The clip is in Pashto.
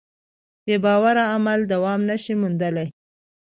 بېباوره عمل دوام نهشي موندلی.